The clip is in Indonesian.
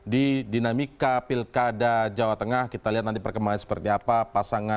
di dinamika pilkada jawa tengah kita lihat nanti perkembangan seperti apa